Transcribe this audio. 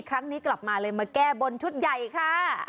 ครั้งนี้กลับมาเลยมาแก้บนชุดใหญ่ค่ะ